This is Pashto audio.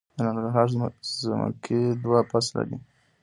د ننګرهار ځمکې دوه فصله دي